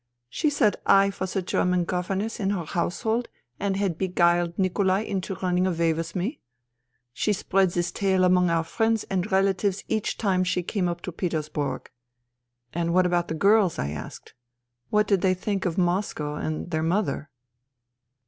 She said I was a Ger man governess in her household and had beguiled Nikolai into running away with me. She spread this tale among our friends and relatives each time she came up to Petersburg." " And what about the girls ?" I asked. " What did they think of Moscow and their mother